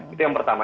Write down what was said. itu yang pertama